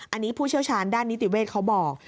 อันนี้ผู้เชี่ยวชาญด้านนิติเวทเขาบอก